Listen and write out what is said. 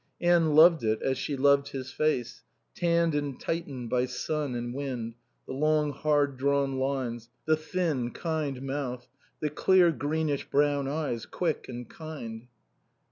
Anne loved it as she loved his face, tanned and tightened by sun and wind, the long hard drawn lines, the thin, kind mouth, the clear, greenish brown eyes, quick and kind.